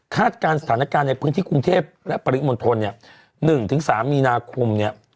คาดการณ์สถานการณ์ในพื้นที่กรุงเทพฯและปริมณฑลเนี้ยหนึ่งถึงสามนี่นาคมเนี้ย